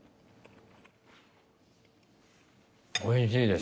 おいしいです。